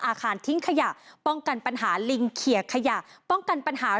อาคารทิ้งขยะป้องกันปัญหาลิงเขียขยะป้องกันปัญหา